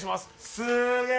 すげえ。